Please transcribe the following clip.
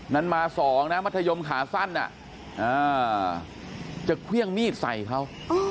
นั้นมาสองนะมัธยมขาสั้นอ่ะอ่าจะเครื่องมีดใส่เขาอ้อ